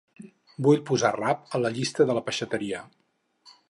Vull posar rap a la llista de la peixateria.